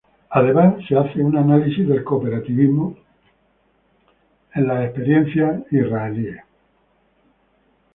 Además, se hace un análisis del cooperativismo en la experiencia israelí.